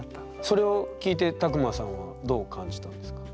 それを聞いて卓馬さんはどう感じたんですか？